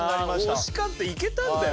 惜しかったいけたんだよ